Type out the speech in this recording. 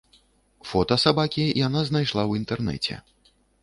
Фота сабакі яна знайшла ў інтэрнэце.